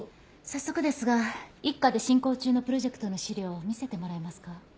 早速ですが一課で進行中のプロジェクトの資料を見せてもらえますか？